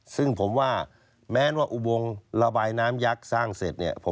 ซึ่งผมว่าแม้ว่าอุโมงระบายน้ำยักษ์สร้างเสร็จเนี่ย